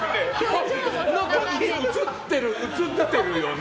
映ってるよね？